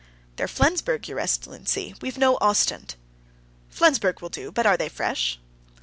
"They're Flensburg, your excellency. We've no Ostend." "Flensburg will do, but are they fresh?"